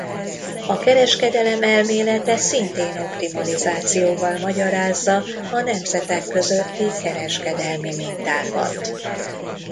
A kereskedelem elmélete szintén optimalizációval magyarázza a nemzetek közötti kereskedelmi mintákat.